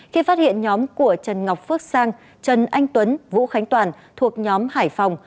khi phát hiện nhóm của trần ngọc phước sang trần anh tuấn vũ khánh toàn thuộc nhóm hải phòng